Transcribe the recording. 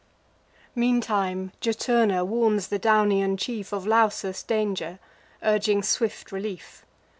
Meantime Juturna warns the Daunian chief Of Lausus' danger, urging swift relief.